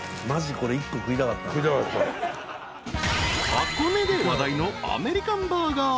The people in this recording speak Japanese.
［箱根で話題のアメリカンバーガー。